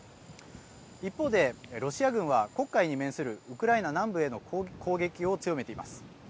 一方で、ロシア軍は黒海に面するウクライナ南部への攻撃を強めています。